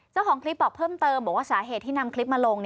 เจ้าของคลิปบอกเพิ่มเติมบอกว่าสาเหตุที่นำคลิปมาลง